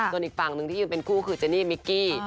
ส่วนอีกฝั่งหนึ่งที่ยืนเป็นคู่คือเจนี่มิกกี้